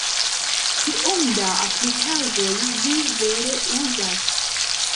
Kiom da aplikaĵoj vi vere uzas?